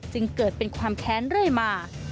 จึงเกิดเป็นความแค้นเรื่อยมา